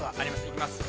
いきます。